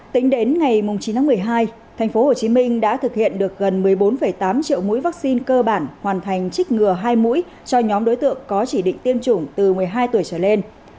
tính đến ngày chín tháng một mươi hai tp hcm đã thực hiện được gần một mươi bốn tám triệu mũi vaccine cơ bản hoàn thành trích ngừa hai mũi cho nhóm đối tượng có chỉ định tiêm chủng từ một mươi hai tuổi trở lên